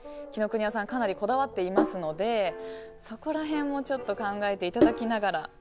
紀ノ国屋さんかなりこだわっていますのでそこら辺も考えていただきながら。